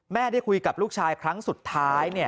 ได้คุยกับลูกชายครั้งสุดท้าย